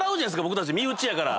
僕たち身内やから。